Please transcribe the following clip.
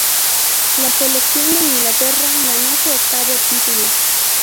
La selección de Inglaterra ganó su octavo título.